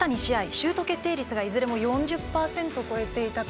シュート決定率がいずれも４０％超えていたと。